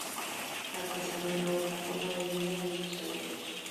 La artesanía era otra forma de vida en nuestras aldeas.